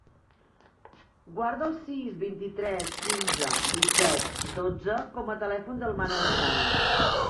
Guarda el sis, vint-i-tres, quinze, disset, dotze com a telèfon del Manel Shan.